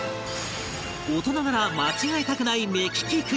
大人なら間違えたくない目利きクイズ